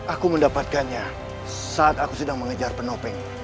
aku mendapatkannya saat aku sedang mengejar penopeng